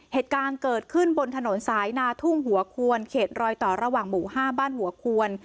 เหตุการณ์เกิดขึ้นบนถนนสายนาทุ่งหัวควรเขตรอยต่อระหว่างหมู่๕บ้านหัวควน